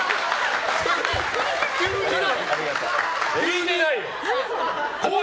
聞いてないよ！